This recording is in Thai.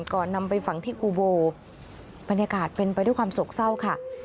ก่อนนำไปฝังที่กูโบบรรยากาศเป็นไปด้วยความโศกเศร้าค่ะ